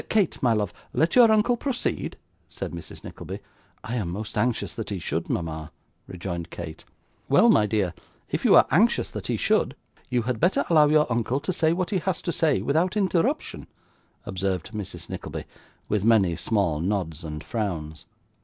'Kate, my love, let your uncle proceed,' said Mrs. Nickleby. 'I am most anxious that he should, mama,' rejoined Kate. 'Well, my dear, if you are anxious that he should, you had better allow your uncle to say what he has to say, without interruption,' observed Mrs. Nickleby, with many small nods and frowns.